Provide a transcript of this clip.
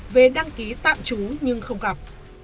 về đăng ký tạm trú nhưng không gặp